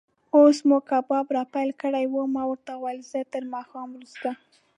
اوس مو کباب را پیل کړی و، ما ورته وویل: زه تر ماښام وروسته.